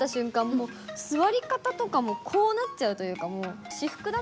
もう座り方とかもこうなっちゃうというか。